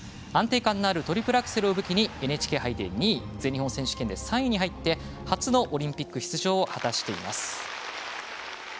安定感のあるトリプルアクセルを武器にＮＨＫ杯で２位全日本選手権で３位に入って初のオリンピック出場を果たしています。